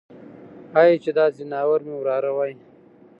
هی چې دا ځناور مې وراره وای.